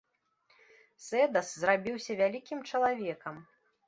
Сэдас зрабіўся вялікім чалавекам.